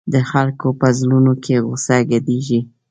د خلکو په زړونو کې غوسه ګډېږي.